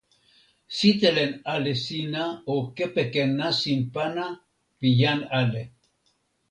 sitelen ale sina o kepeken nasin pana pi jan ale.